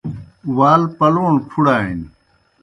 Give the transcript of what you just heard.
وال پلَوݨ پُھڑانیْ۔